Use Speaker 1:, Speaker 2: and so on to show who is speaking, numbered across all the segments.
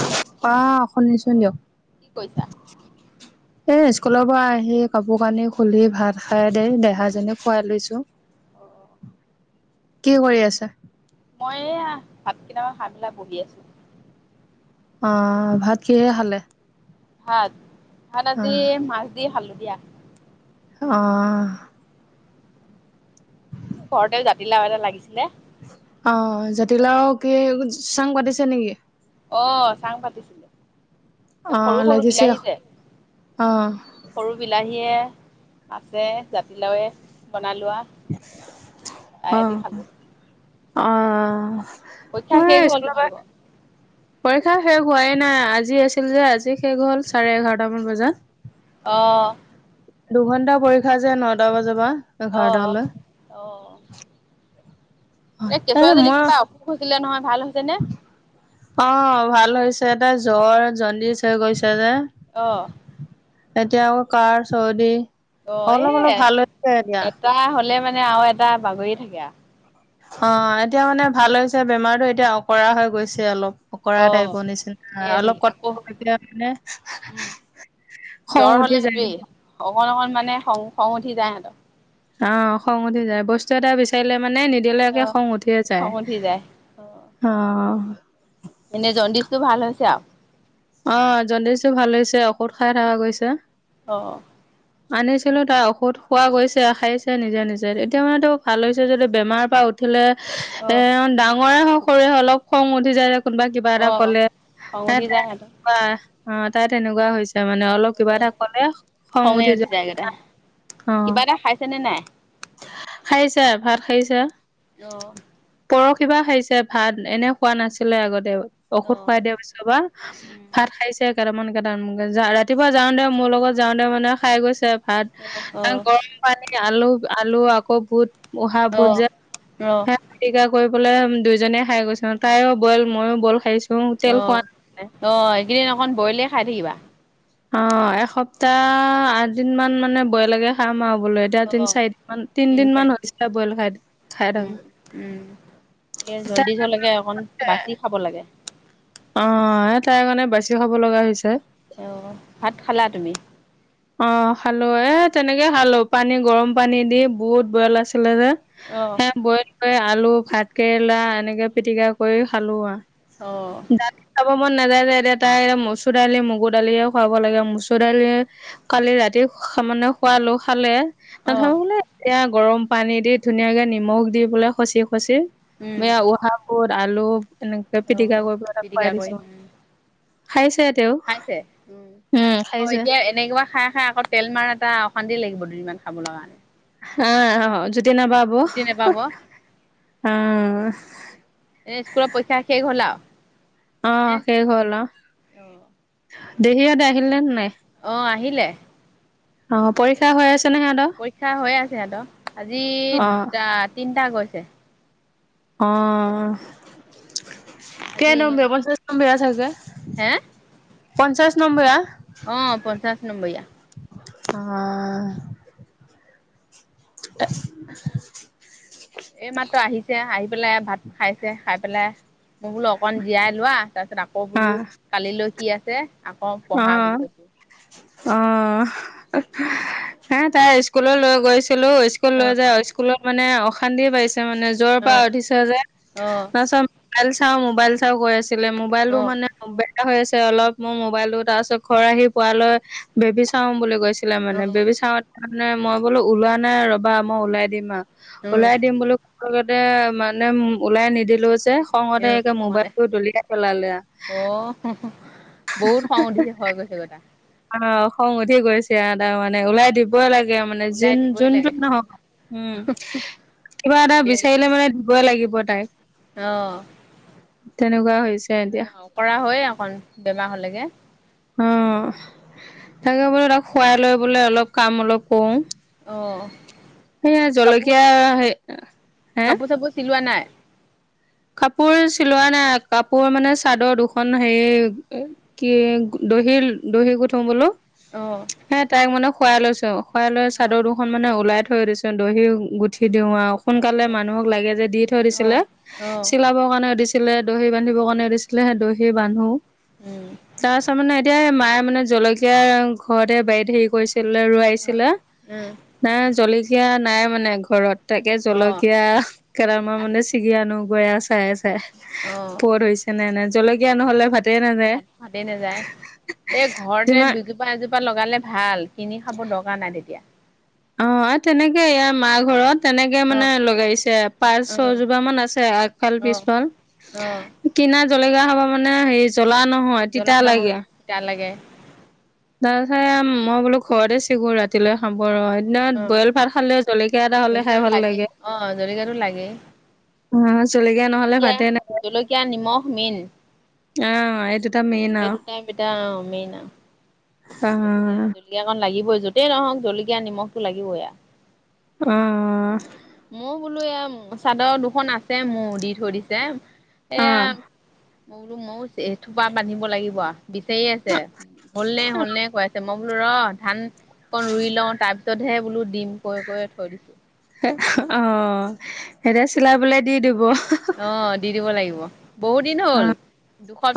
Speaker 1: Hello
Speaker 2: মা শুনিছো
Speaker 1: অ
Speaker 2: দিয়ক
Speaker 1: কি কৰিছা
Speaker 2: এ। স্কুলৰ পৰা আহি কাপোৰ কানি খুলি ভাত খাই দে দেহাজনী খুৱাই লৈছো
Speaker 1: অ
Speaker 2: কি কৰি আছা?
Speaker 1: মই এয়া ভাত কেইটামান খাই পেলাই বহি আছো।
Speaker 2: অ ভাত কিহে খালে??
Speaker 1: ভাত ভাত আজি মাছ দি খালোঁ দিয়া।
Speaker 2: অ।
Speaker 1: ঘৰতে জাতিলাও এটা লাগিছিলে।
Speaker 2: আহ জাতিলাও কি চাং পাতিছে নেকি?
Speaker 1: অ চাং পাতিছিলোঁ। এ
Speaker 2: অ
Speaker 1: সৰু সৰু
Speaker 2: লাগিছে অ
Speaker 1: বিলাহীযে সৰু বিলাহীয়ে। আছে জাতিলাও। লোৱা
Speaker 2: অ
Speaker 1: চাই খালো।
Speaker 2: অ।
Speaker 1: পইক্ষা
Speaker 2: মই
Speaker 1: শেষ হ'ল
Speaker 2: স্কুলৰ পৰা
Speaker 1: তোমালোকৰ
Speaker 2: পৰীক্ষা শেষ হোৱাই নাই আজি আছিল যে আজি শেষ হল চাৰে এঘাৰটামান বজাত।
Speaker 1: অ।
Speaker 2: দুঘন্টা পৰীক্ষা যে নটা বজাৰ পৰা
Speaker 1: অ অ
Speaker 2: এঘাৰটালৈ।
Speaker 1: এ কেঁচুৱাজনি কিবা অসুখ হৈছিলে নহয় ভাল হৈছে নে?
Speaker 2: অ ভাল হৈছে দে জ্বৰ জণ্ডিচ হৈ গৈছে যে
Speaker 1: অ
Speaker 2: এতিয়া আকৌ কা চৰ্দি।
Speaker 1: অ
Speaker 2: অলপ
Speaker 1: এ
Speaker 2: অলপ ভাল হৈছে এতিয়া
Speaker 1: এটা হলে মানে আৰু এটা বাগৰি থাকে আৰু
Speaker 2: অ এতিয়া মানে ভাল হৈছে বেমাৰটো এতিয়া অঁকৰা হৈ গৈছে অলপ অকৰা
Speaker 1: অ
Speaker 2: তাইব নিচিনা
Speaker 1: সেয়াই ধৰি
Speaker 2: অলপ
Speaker 1: আকৌ
Speaker 2: কথা মানে
Speaker 1: উম
Speaker 2: খং
Speaker 1: জ্বৰ
Speaker 2: উঠি
Speaker 1: হলে
Speaker 2: যায়
Speaker 1: সেইটোয়েই অকন অকন মানে খং উঠি যাই ইহঁতৰ।
Speaker 2: অ খং উঠি যায় বস্তু এটা বিচাৰিলে মানে নিদিলৈকে
Speaker 1: অ
Speaker 2: খং উঠিয়ে
Speaker 1: খং
Speaker 2: যায়
Speaker 1: উঠি যায়
Speaker 2: অ
Speaker 1: এনে জণ্ডিচটো ভাল হৈছে আৰু
Speaker 2: অ জণ্ডিচটো ভাল হৈছে ঔষদ খাই থকা গৈছে।
Speaker 1: অ।
Speaker 2: আনিছিলো তাৰ ঔষধ খোৱা গৈছে খাইছে নিজে নিজে এতিয়া মানেতো ভাল হৈছে যদি বেমাৰ পৰা উঠিলে
Speaker 1: অ
Speaker 2: এ ডাঙৰে হওক সৰুৱে হওক অলপ খং উঠি যায় দে কোনোবা কিবা
Speaker 1: অ
Speaker 2: এটা ক'লে
Speaker 1: খং
Speaker 2: হে
Speaker 1: উঠি
Speaker 2: তাই
Speaker 1: যায় সিহঁতৰ
Speaker 2: কোৱা অ তাই তেনেকোৱা হৈছে। তাৰমানে অলপ কিবা
Speaker 1: অ
Speaker 2: এটা কলে খং উঠি যায় অ।
Speaker 1: কিবা এটা খাইছেনে নাই
Speaker 2: খাইছে ভাত খাইছে।
Speaker 1: অ।
Speaker 2: কিবা খাইছে ভাত এনেও খোৱা নাছিলে আগতে।
Speaker 1: অ
Speaker 2: ঔষধ খুৱাই দিয়া পিছৰ পা
Speaker 1: উম
Speaker 2: ভাত খাইছে। কেইটামান কেইটামান ৰাতিপুৱা যাও দে মোৰ লগত যাওতে মানে খাই গৈছে। ভাত
Speaker 1: অ অ
Speaker 2: গৰম পানী আলু আলু আকৌ বহুত উহা
Speaker 1: অ
Speaker 2: ভোন যে হে পিটিকা কৰি বোলে দুইজনে খাই গৈছো তাইও বইল মইও বইল খাইছো। তেল
Speaker 1: অ
Speaker 2: খোৱা নাই
Speaker 1: অ সেইকেইদিন অকন বইলে খাই থাকিবা।
Speaker 2: অ এসপ্তাহ আঠ দিন মান মানে বৈলকে খাম আও। বোলো এতিয়া
Speaker 1: অ
Speaker 2: তিন চাৰিদিন মান
Speaker 1: তিনি
Speaker 2: তিনদিন মান
Speaker 1: চাৰি
Speaker 2: হৈছে বইল খাই খাই থকা।
Speaker 1: এ জণ্ডিছলেকে অকণ বাচি খাব লাগে।
Speaker 2: অ এ তাই কাৰণে বাচি খাব লগা হৈছে।
Speaker 1: অ ভাত খালা তুমি
Speaker 2: অ খালো এ তেনেকে খালো পানী গৰম পানী দি বুত বইল আছিলে যে।
Speaker 1: অ
Speaker 2: হে বইল কৰি আলু ভাত কেৰেলা এনেকে পিটিকা কৰি খালো আ।
Speaker 1: অ',
Speaker 2: যাব মন। নাযায় যে এতিয়া তাই মচুৰ দালি মগুৰ দালিয়ে খুৱাব লাগে মচুৰ দালি কালি ৰাতি মানে খোৱালো খালে নাথাকো
Speaker 1: অ',
Speaker 2: বোলে এয়া গৰম পানী দি ধুনীয়াকে নিমখ দি পলাই খচি খচি
Speaker 1: উম,
Speaker 2: উহা বুত আলু এনেকে
Speaker 1: অ',
Speaker 2: পিটিকা
Speaker 1: অ',
Speaker 2: কৰি পেলাই খুৱাই
Speaker 1: পিটিকা কৰি
Speaker 2: দিছো
Speaker 1: উম,
Speaker 2: খাইছে। তেওঁ
Speaker 1: খাইছে উম আকৌ এতিয়া এনেকোৱা। খাই খাই আকৌ তেল মাৰা তা অশান্তি লাগিব দুদিমান খাবলৈ কাৰণে।
Speaker 2: অ অ জুতি নাপাব
Speaker 1: জুতি নোপাব এ স্কুল পক্ষ্যা শেষ হল আও।
Speaker 2: অ শেষ হল অ দেহিহতে আহিল নে নাই।
Speaker 1: অ আহিলে।
Speaker 2: অ পৰীক্ষা হৈ আছে নে সিহঁতৰ
Speaker 1: পৰীক্ষা হৈ আছে সিহতৰ আজি
Speaker 2: অ
Speaker 1: দুটা তিনটা গৈছে।
Speaker 2: অ
Speaker 1: আজি
Speaker 2: কেই নম্ব
Speaker 1: ইংৰাজী
Speaker 2: পঞ্চাছ নম্বয়া চাগে।
Speaker 1: হে।
Speaker 2: পঞ্চাছ নম্বৰীয়া।
Speaker 1: অ পঞ্চাশ নম্বৰীয়া।
Speaker 2: অ। [unintelligible]
Speaker 1: এই মাত্ৰ আহিছে আহি পেলাই ভাত খাইছে খাই পেলাই। মই বোলো অকণ জীয়াই লোৱা তাৰপিছত আকৌ বোলো
Speaker 2: অ',
Speaker 1: কালিলৈ কি আছে আকৌ পঢ়া বুলি
Speaker 2: অ',
Speaker 1: কৈছো।
Speaker 2: অ হে তাই স্কুল লৈ গৈছ ছিলো স্কুল
Speaker 1: অ',
Speaker 2: লৈ যায় স্কুলত মানে অশান্তিয়ে পাইছ মানে জ্বৰ পৰা
Speaker 1: অ',
Speaker 2: উঠিছে যে
Speaker 1: অ',
Speaker 2: না মোবাইল চাও মোবাইল চাও কৈ আছ ছিলে মোবাইলটো
Speaker 1: অ',
Speaker 2: মানে বেয়া হৈ আছে অলপ মোৰ মো বাইলটো তাৰপিছত ঘৰ আহি পোৱালৈ বেবী চাম বুলি গৈছিলে মানে
Speaker 1: অ',
Speaker 2: বেবী চাত নাই মই বোলো ওলোৱা নাই ৰবা মই ওলাই দিম আৰু
Speaker 1: উম,
Speaker 2: ওলাই দিম বুলি লগতে মানে ওলাই নিদিলো যে। খঙতে
Speaker 1: উম,
Speaker 2: একে
Speaker 1: হ'ব দে।
Speaker 2: মোবাইলটো দলিয়াই পেলালে আ।
Speaker 1: অ', বহুত খং উঠিছে হয় গৈছেগৈ তা
Speaker 2: অহ, খং উঠি গৈছে তাৰ মানে ওলাই দিবই লাগ গে মানে
Speaker 1: ওলাই
Speaker 2: যোন
Speaker 1: দিবই
Speaker 2: -যোনটো
Speaker 1: লাগে।
Speaker 2: নহক উম কিবা এটা বিচাৰিলে মানে দিব লাগিব তাইক।
Speaker 1: অহ,
Speaker 2: তেনেকুৱা হৈছে
Speaker 1: [inaudible]
Speaker 2: এতিয়া
Speaker 1: তেনেকোৱা অকৰা হয় অকন। বেমাৰ হ'লেগে।
Speaker 2: অ'। তাকে বোলো তাক শুৱাই লৈ বোলে অলপ কাম অলপ কৰো।
Speaker 1: অহ, কাপো
Speaker 2: হে
Speaker 1: -
Speaker 2: হে
Speaker 1: কাপোৰ - চাপোৰ চিলোৱা নাই?
Speaker 2: কাপোৰ চিলোৱা নাই কাপোৰ মানে চাদৰ দুখন হেৰি কি দহিৰ দহি গোঠো বোলো।
Speaker 1: অ',
Speaker 2: হে তাইক মানে শুৱাই লৈছো আও শুৱাই লৈ
Speaker 1: অ', অ',
Speaker 2: চাদৰ দুখখন মানে ওলাই থৈ থৈ দিছো দহি গুঠি দিওঁ আৰু সোনকালে মানুহক লাগে যে দি থৈ দিছিলে চিলাবৰ কাৰণে সুধিছিলে দহি বান্ধিবৰ কাৰণে সুধিছিলে সেই দহি বান্ধো।
Speaker 1: উম,
Speaker 2: তাৰ পাছত মানে এতিয়া মায়ে মানে জলকীয় ঘৰতে বাৰীত হেৰি কৰিছে ছিলে ৰোৱাইছিলে
Speaker 1: অ',
Speaker 2: নাই জলকীয়া নাই মানে ঘৰত। তাকে
Speaker 1: অ', অ'।
Speaker 2: জলকীয়া কেইটামান মানে ছিগি আনো গয়ে চাই আছে। ছে পত হৈছে নে নাই জলকীয়া নহ'লে ভাতে নাযায়।
Speaker 1: এ ঘৰতে
Speaker 2: যিমান
Speaker 1: দুজোপা -এজোপা লগালে ভাল কিনি খাব দৰকাৰ নাই তেতিয়া।
Speaker 2: অহ, তেনেকে ইয়া মাৰ ঘৰত। তেনেকে মানে
Speaker 1: অ',
Speaker 2: লগাইছে পাঁচ
Speaker 1: অ',
Speaker 2: ছজোপা মান আছে আগফাল
Speaker 1: অ'।
Speaker 2: পিছফাল।
Speaker 1: অ',
Speaker 2: কিনা জলেকীয়া হব মানে হেৰি জ্বলা ন',
Speaker 1: জ্বলাই নহয় তিতা লাগে।
Speaker 2: তাপাছত মই বোলো ঘৰতে চিগো ৰাতিলৈ খাব ৰয়। দিনত
Speaker 1: অ',
Speaker 2: বইল ভাত খালে জলকীয়া এটা হলে খাই
Speaker 1: জলকীয়াটো
Speaker 2: ভাল লাগে।
Speaker 1: অ', জলকীয়াটো লাগেই।
Speaker 2: হা, জলকীয়া নহলে ভাতে নাযাই।
Speaker 1: মিন
Speaker 2: মেইন আও
Speaker 1: এইটোটাইপ এটা মেইন আ।
Speaker 2: অ
Speaker 1: জলকীয়া -জলকীয়াকন লাগিবই যতেই নহওক জলকীয়া নিমখটো লাগিবই আও।
Speaker 2: অ',
Speaker 1: ফুলো এ চাদৰ দুখন আছে মোৰ দি থৈ দিছে
Speaker 2: অ অ
Speaker 1: এয়া মই বোলো ময়ো থোপা বান্ধিব লাগিব আ বিচাৰি আছে। হ'লনে- হ'লনে কৈ আছে মই বোলো ৰ'ধান অকণ ৰুই লওঁ তাৰ ছতহে বোলো ডিম কৈ কৈ থৈ দিছো।
Speaker 2: অহ, এতিয়া চিলাই পেলাই দি দিব।
Speaker 1: অহ, দি দিব লাগিব। বহুত দিন হ'ল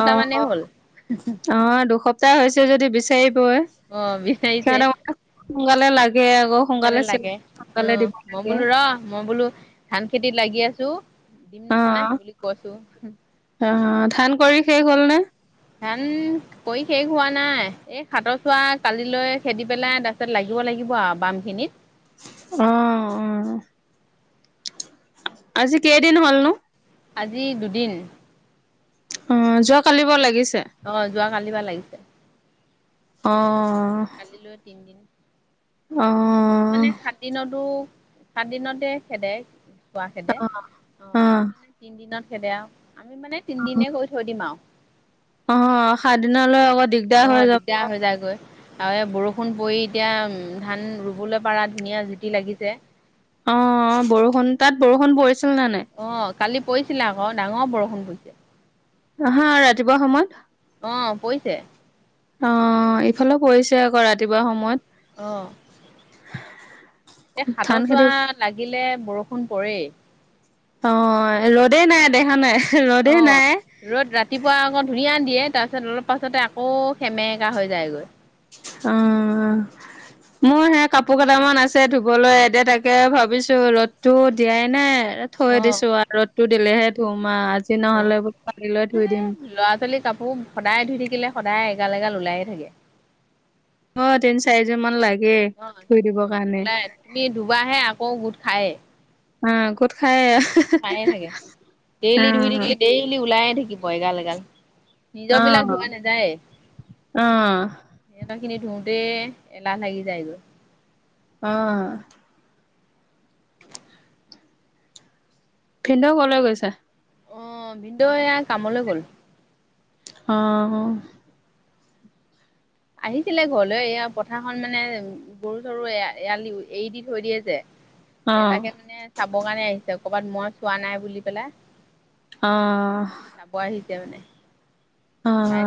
Speaker 2: অহ [unintelligible] অহ
Speaker 1: মানেই হ'ল
Speaker 2: - অহ দুসপ্তাহ হৈছে যদি বিচাৰি বই
Speaker 1: অ' বিচাৰিছে
Speaker 2: সিহতক [unintelligible] সোনকালে লাগ
Speaker 1: সোনকালে লাগে অহ মই
Speaker 2: লাগে।
Speaker 1: বোলো ৰহ মই বোলো ধান খেতিত লাগি আছো। দিম নহয় বুলি কৈছোঁ।
Speaker 2: অহ, ধান কৰি শেষ হল নে?
Speaker 1: ধান কৰি শেষ হোৱা নাই এই সাতৰ চোৱা কালিলৈ খেদি পেলাই তাৰ পিছত লাগিব লাগে গিব আও বাম খিনত।
Speaker 2: অহ, উম। আজি কেদিন হল নো?
Speaker 1: আজি দুদিন।
Speaker 2: অহ, যোৱা কালি পৰা লাগিছে।
Speaker 1: অহ, যোৱা কালিৰ পৰা লাগিছে।
Speaker 2: অহ
Speaker 1: কালিলৈ তিনিদিন।
Speaker 2: অ',
Speaker 1: কিছুমানে সাত দিনতো, সাত দিনতে খেদে। খোৱা খেদে অহ
Speaker 2: অ',
Speaker 1: কিছুমানে তিন দিনত খেদে আৰু আমি মানে তিনদিনে কৰি থৈ দিম আৰু।
Speaker 2: অহ, সাত দিন লৈ আগত
Speaker 1: অ দিগদাৰ হৈ যায়গৈ। আৰু এই বৰষুণ পৰি এতিয়া ধান ৰুবলৈ পাৰা ধুনীয়া জুতি লাগিছে।
Speaker 2: অ বৰষুণ তাত বৰষুণ পৰি।
Speaker 1: অ কালি পৰিছিলা আকৌ ডাঙৰ বৰষুণ পৰিছে।
Speaker 2: অহা ৰাতিপুৱা সময়ত।
Speaker 1: অ পৰিছে।
Speaker 2: অ ইফালে পৰিছে আকৌ ৰাতিপুৱা সময়ত।
Speaker 1: অঁ। এই
Speaker 2: ধান
Speaker 1: হাতত চোৱা
Speaker 2: খেতি
Speaker 1: লাগিলে বৰষুণ পৰেই।
Speaker 2: অ ৰ'দেই নাই দেখা নাই।
Speaker 1: অ
Speaker 2: ৰ'দেই নাই।
Speaker 1: ৰ'দ ৰাতিপুৱা আকৌ ধুনীয়া। দিয়ে তাৰ পাছত অলপ পাছতে আকৌ খেমেকা হৈ যায়গৈ।
Speaker 2: অ। মোৰ হে কাপোৰ কেইটামান আছে ধুবলৈ এদ থাকে ভাবিছো ৰ'দতো দিয়াই নাই। থৈ
Speaker 1: অ
Speaker 2: দিছো আ ৰতটো দিলেহে ধুম আ। আজি
Speaker 1: অ
Speaker 2: নহ'লে বোলো কালিলৈ
Speaker 1: এ
Speaker 2: ধুই দিম
Speaker 1: ল'ৰা ছোৱালী কাপোৰ সদায় ধুই থাকিলে সদায়। এ গাল এগাল ওলাইে থাকে।
Speaker 2: অ তিন চাৰিযোৰ মান লাগে
Speaker 1: অ
Speaker 2: ধুই দিবৰ
Speaker 1: উম
Speaker 2: কাৰণে
Speaker 1: ওলাই তুমি ধুবহে আকৌ গোট খায়েই।
Speaker 2: অ ক'ত খাই।
Speaker 1: খায়ে থাকে ডেইলি ধুই থাকিলে ডেইলি ওলাইে থাকিব এগাল এগাল। নিজৰ
Speaker 2: অ
Speaker 1: বিলাক ধোৱা নাযায়
Speaker 2: অ অ
Speaker 1: সিহঁতৰ। খিনি ধুওঁতে এলাহ লাগি যায়গৈ।
Speaker 2: আহ। ভিনদেউ কলৈ গৈছো।
Speaker 1: অ ভিনদউ এয়া কামলৈ গ'ল।
Speaker 2: আহ।
Speaker 1: আহিছিলে ঘৰলৈ এয়া পথাৰখন মানে গৰু চৰু এ এৰাল দি এৰি দি থৈ দিয়ে যে।
Speaker 2: অ অ
Speaker 1: এ তাকে মানে চাবৰ কাৰণে আহিছে কৰ'বাত মই চোৱা নাই বুলি পেলাই।
Speaker 2: আহ।
Speaker 1: তিয়া মানে।
Speaker 2: অ
Speaker 1: চাই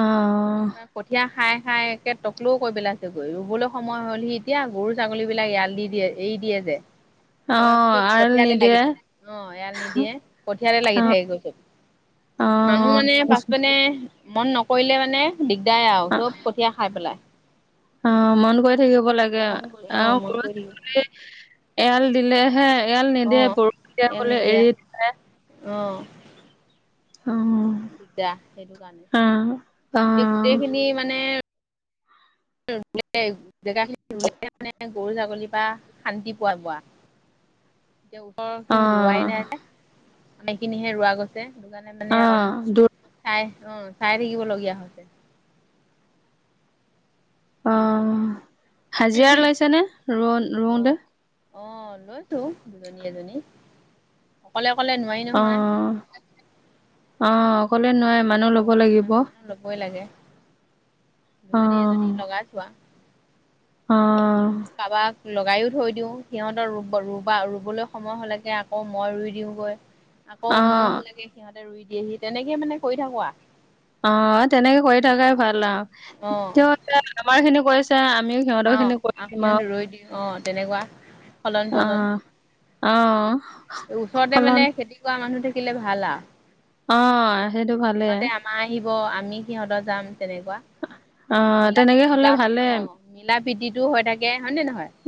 Speaker 2: অ।
Speaker 1: ত কঠীয়া। খাই খাই একে তটকলও কৈ পেলাইছে গৈ ৰুবলৈ সময় হ'ল সি এতিয়া গৰু ছাগলী বিলাক ইয়াল দি দিয়ে এ। এই দিয়ে যে।
Speaker 2: অ
Speaker 1: তাৰ খুব
Speaker 2: আৰল
Speaker 1: কঠীয়াতে লাগি
Speaker 2: নিদিয়ে
Speaker 1: থাকে অ এৰাল নিদিয়ে কঠীয়াতে লাগি থাকে গৈচো।
Speaker 2: অ
Speaker 1: মানুহ মানে পাছ মানে মন নকৰে। কৰিলে মানে দিগদাৰ আৰু
Speaker 2: অ
Speaker 1: চব কঠীয়া খাই পেলাই।
Speaker 2: অ মন কৰি থাকিব লাগে
Speaker 1: মন কৰি অ',
Speaker 2: আৰু
Speaker 1: মন
Speaker 2: গৰু
Speaker 1: কৰি থাকিব
Speaker 2: ছাগলী। এৰাল দিলেহে এৰাল নিদিয়ে
Speaker 1: অ',
Speaker 2: বৰষুণ দিয় গলে এৰি দে।
Speaker 1: অঁ। বৰ দিগদাৰ সেইটো কাৰণে
Speaker 2: অ
Speaker 1: এ গোটেইখিনি মানে। জে জেগাখিনি ৰুলে মানে। গৰু ছাগলীৰ পৰা শান্তি পোৱা বোৱা এতিয়া।
Speaker 2: অ
Speaker 1: ওচৰৰ ৰোৱাই নাই আমিখিনিহে ৰোৱা গৈছে। দ কাৰণে মানে
Speaker 2: অ দূৰ
Speaker 1: চাই অ চাই থাকিবলগীয়া হৈছে।
Speaker 2: অ হাজিৰৰা লাইছে নে ৰোৱ ৰোতে।
Speaker 1: অ', অ লৈছো দুজনী এজনী অকলে। অকলে নোৱাৰি
Speaker 2: অ
Speaker 1: নহয়
Speaker 2: অ অ অকলে নোৱাৰাই।
Speaker 1: অহ ইমান মানুহ ল'বই লাগে।
Speaker 2: অ
Speaker 1: দুজনী এজনী লগাই
Speaker 2: অ।
Speaker 1: কাবাক। লগাইও থৈ দিওঁ সিহঁতৰব ৰুব ৰুবা ৰুবলৈ সময় হ'লেকে আকৌ মই ৰুই দিওঁগৈ। আকৌ
Speaker 2: অ
Speaker 1: মোৰ হলেকে সিহঁতে ৰুই দিয়েহি তেনেকে মানে কৰি থাকো আৰু।
Speaker 2: অ তেনেকে কৰি থাকাই ভাল আৰু
Speaker 1: অ',
Speaker 2: তেওঁ আমাৰ খিনি কৰিছে। আমিও সিহঁতৰ
Speaker 1: অ',
Speaker 2: খিনি
Speaker 1: আ
Speaker 2: কৰি দিম
Speaker 1: সিহঁত
Speaker 2: আৰু
Speaker 1: ৰৈ দিওঁ অ', তেনেকুৱা সলন পলন
Speaker 2: আহ। অ।
Speaker 1: ওচৰতে
Speaker 2: সলনি
Speaker 1: মানে খেতি কৰা মানুহ থাকিলে ভাল
Speaker 2: অ', সেইটো
Speaker 1: আৰু।
Speaker 2: ভালে
Speaker 1: সিহঁতে আমাৰ আহিব আমি সিহঁতৰ যাম তেনেকুৱা।
Speaker 2: অ',
Speaker 1: মিলা
Speaker 2: তেনেকে হ'লে
Speaker 1: মিলা
Speaker 2: ভালে
Speaker 1: অ মিলা প্ৰীতিটো হৈ থাকে হয় নে নহয়। [inaudible]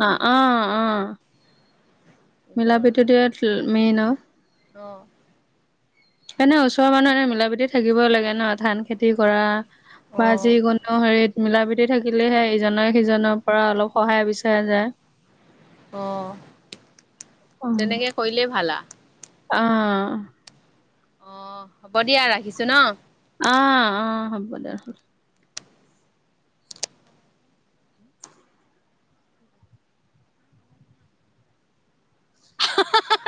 Speaker 2: মিলাপিতিটোযে মেইন অ।
Speaker 1: আহ।
Speaker 2: এনে ওচৰৰ মানুহ এনে মিলা প্ৰীতি থাকিব লাগে ন ধান খেতি কৰা। বা
Speaker 1: অ',
Speaker 2: যিকোনো হেৰিত। মিলাপ্ৰীতি থাকিলেহে ইজনে সিজনৰ পৰা অলপ সহায় বিচৰা যায়
Speaker 1: অ তেনেকে কৰিলেই ভাল [unintelligible]
Speaker 2: অ
Speaker 1: অ হ'ব দিয়া ৰাখিছো ন
Speaker 2: অ অ হ'ব দে
Speaker 1: হা হা হা [unintelligible]